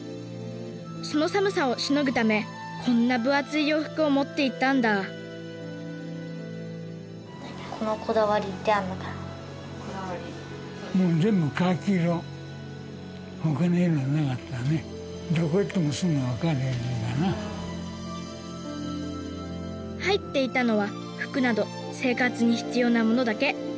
その寒さをしのぐためこんな分厚い洋服を持っていったんだ入っていたのは服など生活に必要なものだけ。